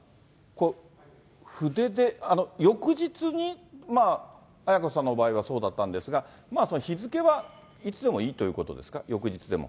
筆で、翌日に、絢子さんの場合はそうだったんですが、日付はいつでもいいということですか、翌日でも。